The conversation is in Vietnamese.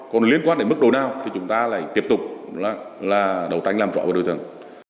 còn liên quan đến mức độ nào thì chúng ta lại tiếp tục là đầu tranh làm rõ với đối tượng